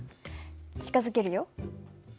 近づけるよ。